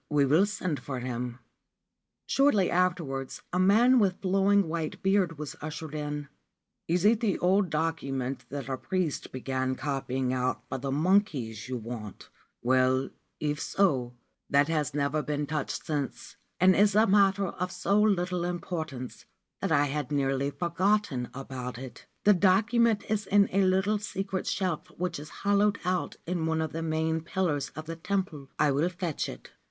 We will send for him/ Shortly afterwards a man with flowing white beard was ushered in. ' Is it the old document that a priest began copying out for the monkeys you want ? Well, if so, that has never been touched since, and is a matter of so little importance that I had nearly forgotten about it. The document is in a little secret shelf which is hollowed out in one of the main pillars of the temple. I will fetch it.'